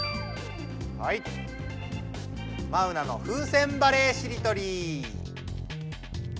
マウナの「風船バレーしりとり」。